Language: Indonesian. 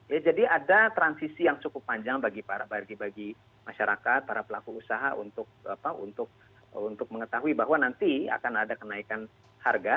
ya jadi ada transisi yang cukup panjang bagi masyarakat para pelaku usaha untuk mengetahui bahwa nanti akan ada kenaikan harga